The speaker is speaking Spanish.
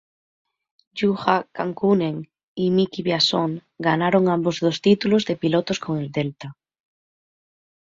Juha Kankkunen y Miki Biasion ganaron ambos dos títulos de pilotos con el Delta.